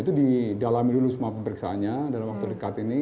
itu didalami dulu semua pemeriksaannya dalam waktu dekat ini